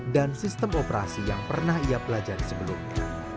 dan sistem operasi yang pernah ia pelajari sebelumnya